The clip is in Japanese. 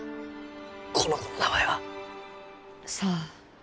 この子の名前は？さあ。